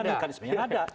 dengan mekanisme yang ada